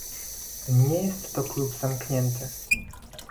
Nie jest to klub zamknięty